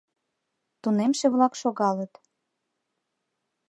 Тунемше-влак шогалыт.